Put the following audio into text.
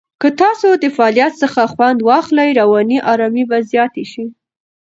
که تاسو د فعالیت څخه خوند واخلئ، رواني آرامۍ به زیاته شي.